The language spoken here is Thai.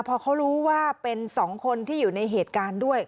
พอเขารู้ว่าเป็น๒คนที่อยู่ในเหตุการณ์ด้วย